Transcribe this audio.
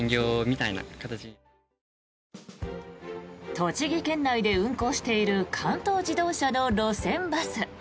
栃木県内で運行している関東自動車の路線バス。